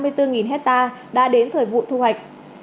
hiện còn năm mươi bốn hecta đã đến thời vụ thu hoạch